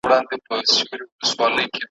چي نه سوځم نه ایره سوم لا د شپو سینې څیرمه ,